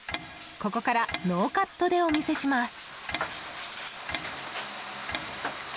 ここからノーカットでお見せします。